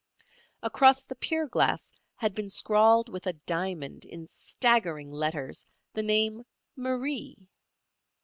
Across the pier glass had been scrawled with a diamond in staggering letters the name "Marie."